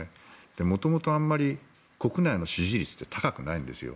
元々、あまり国内の支持率って高くないんですよ。